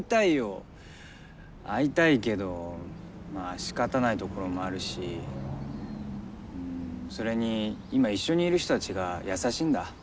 しかたないところもあるしうんそれに今一緒にいる人たちが優しいんだ。